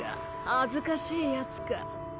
恥ずかしいやつか？